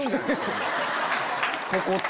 ここって。